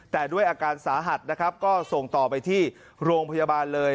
แต่ด้วยอาการสาหัสนะครับก็ส่งต่อไปที่โรงพยาบาลเลย